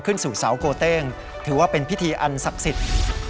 ขึ้นสู่เสาโกเต้งถือว่าเป็นพิธีอันศักดิ์สิทธิ์